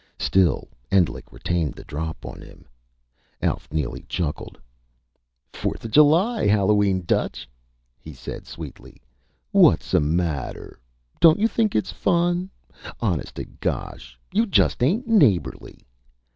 Still, Endlich retained the drop on him. Alf Neely chuckled. "Fourth of July! Hallowe'en, Dutch," he said sweetly. "What's the matter? Don't you think it's fun? Honest to gosh you just ain't neighborly!"